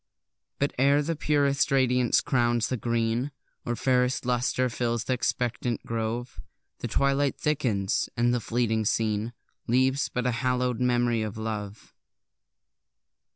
But ere the purest radiance crowns the green, Or fairest lustre fills th' expectant grove, The twilight thickens, and the fleeting scene Leaves but a hallow'd memory of love!